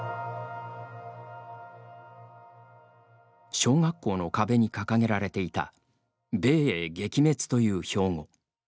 小学校の壁に掲げられていた「米英撃滅」という標語。